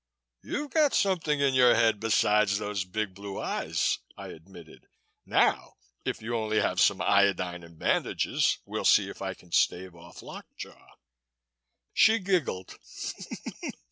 "You've got something in your head besides those big blue eyes," I admitted. "Now if you only have some iodine and bandages we'll see if I can stave off lock jaw." She giggled.